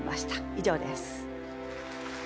以上です。